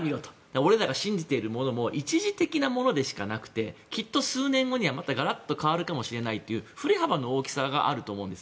俺らが信じているものも一時的なものでしかなくてきっと数年後にはガラッと変わるかもしれないという振れ幅の大きさがあると思うんです。